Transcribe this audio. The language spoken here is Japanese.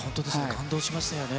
感動しましたよね。